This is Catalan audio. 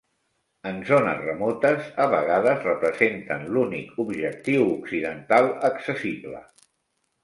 En zones remotes a vegades representen l'únic objectiu occidental accessible.